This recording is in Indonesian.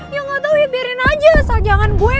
ya gak tau ya biarin aja asal jangan gue